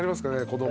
子供。